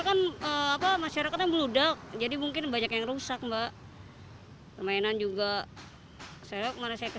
kan apa masyarakatnya beludak jadi mungkin banyak yang rusak mbak permainan juga saya kemana saya ke